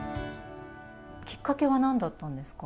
きっかけはなんだったんですか？